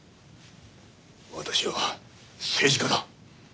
私は政治家だ。